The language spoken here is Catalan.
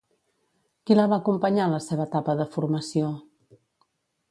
Qui la va acompanyar en la seva etapa de formació?